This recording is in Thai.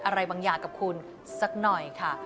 อะไรบางอย่างกับคุณสักหน่อยค่ะ